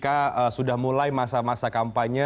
karena sudah mulai masa masa kampanye